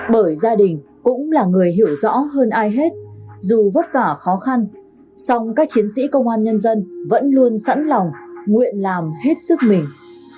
bởi gia đình cũng là người hiểu rõ hơn ai hết dù vất vả khó khăn song các chiến sĩ công an nhân dân vẫn luôn sẵn lòng nguyện làm hết sức mình